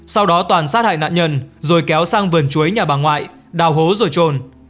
sau đó toàn sát hại nạn nhân rồi kéo sang vườn chuối nhà bà ngoại đào hố rồi trồn